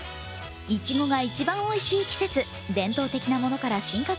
いちごが一番おいしい季節、伝統的なものから進化系